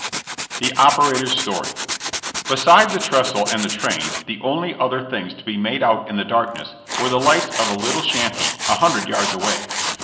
>> THE OPERATOR S STORY. Beside the trestle and the train, the only other things to be made out in the darkness were tha lights of a little shanty, a hundred yards away.